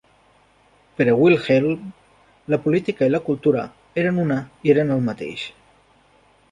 Per a Wilhelm, la política i la cultura eren una i eren el mateix.